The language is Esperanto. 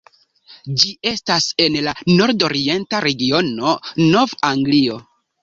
Ĝi estas en la nord-orienta regiono Nov-Anglio.